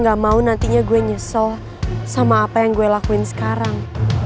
gak mau nantinya gue nyesel sama apa yang gue lakuin sekarang